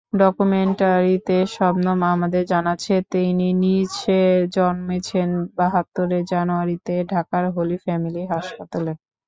ডকুমেন্টারিতে শবনম আমাদের জানাচ্ছেন, তিনি নিজে জন্মেছেন বাহাত্তরের জানুয়ারিতে ঢাকার হলি ফ্যামিলি হাসপাতালে।